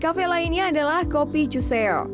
kafe lainnya adalah kopi cuseo